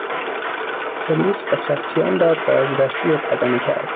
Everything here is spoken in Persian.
پلیس قاچاقچیان را بازرسی بدنی کرد.